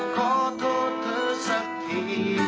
ขอโทษเธอสักที